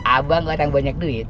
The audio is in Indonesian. abang orang banyak duit